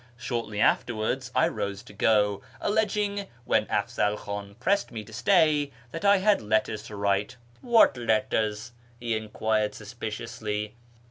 Shortly afterwards I rose to go, alleging, when jAfzal Khan pressed me to stay, that I had letters to write. " What letters ?" he enquired suspiciously.